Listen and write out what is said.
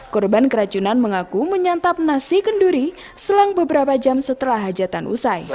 korban keracunan mengaku menyantap nasi kenduri selang beberapa jam setelah hajatan usai